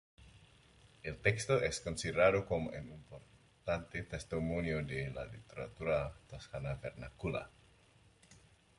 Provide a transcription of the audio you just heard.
El texto es considerado como un importante testimonio de la literatura toscana vernácula.